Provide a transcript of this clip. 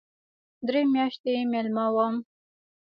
درې میاشتې مېلمه وم.